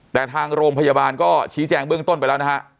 แต่ทางโรงพยาบาลก็ชี้แจงเบื้องต้นไปแล้วนะฮะ